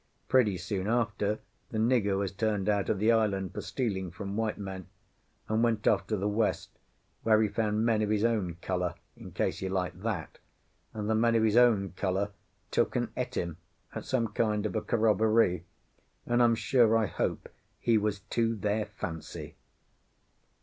Pretty soon after, the nigger was turned out of the island for stealing from white men, and went off to the west, where he found men of his own colour, in case he liked that, and the men of his own colour took and ate him at some kind of a corroborree, and I'm sure I hope he was to their fancy!